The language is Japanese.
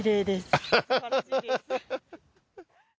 アハハハハ！